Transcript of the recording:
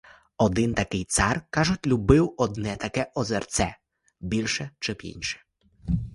Один такий цар, кажуть, любив одне таке озерце більше, чим інші.